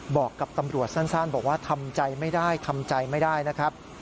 บอกกับตำรวจสั้นบอกว่าทำใจไม่ได้ทำใจไม่ได้นะครับ